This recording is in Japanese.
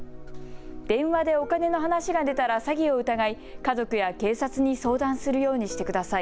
電話でお金の話が出たら詐欺を疑い家族や警察に相談するようにしてください。